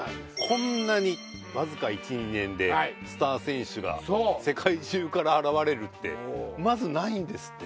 こんなにわずか１２年でスター選手が世界中から現れるってまずないんですってね。